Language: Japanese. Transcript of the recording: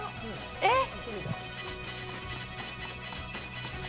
えっ？